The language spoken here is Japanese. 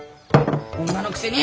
女のくせに！